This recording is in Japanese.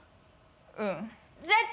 うん。絶対？